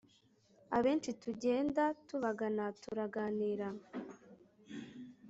abenshi tugenda tubagana, turaganira